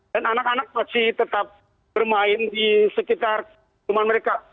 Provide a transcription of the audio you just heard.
dan anak anak masih tetap bermain di sekitar rumah mereka